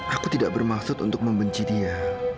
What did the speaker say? aku tidak bermaksud untuk membenci dia